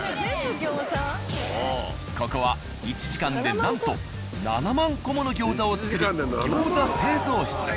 ここは１時間でなんと７万個もの餃子を作る餃子製造室。